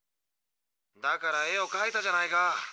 だから絵を描いたじゃないか。